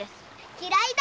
嫌いだ！